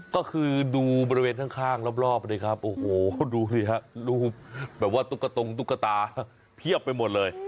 ก็คือดูบริเวณข้างรอบเลยครับโอ้โหดูสิฮะรูปแบบว่าตุ๊กตรงตุ๊กตาเพียบไปหมดเลย